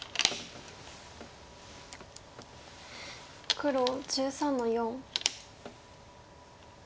黒１３の四。